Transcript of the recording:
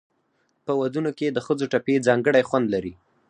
په ودونو کې د ښځو ټپې ځانګړی خوند لري.